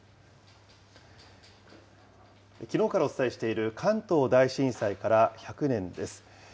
きのうからお伝えしている関東大震災から１００年です。